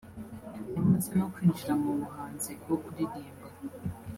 yamaze no kwinjira mu buhanzi bwo kuririmba